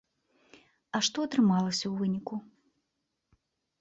А што атрымалася ў выніку?